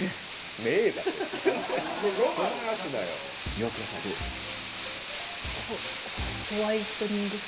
イワクラさんはどうでしょう？